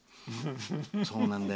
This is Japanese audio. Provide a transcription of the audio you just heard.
そうなんだよ。